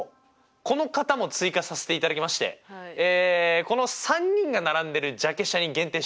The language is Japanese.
この方も追加させていただきましてこの３人が並んでるジャケ写に限定してみたいと思います。